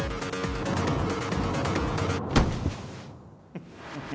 フフフ。